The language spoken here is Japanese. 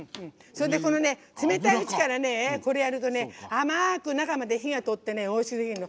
冷たいうちからこれをやるとね甘く中まで火が通っておいしくできるの。